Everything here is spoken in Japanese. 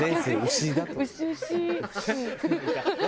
牛。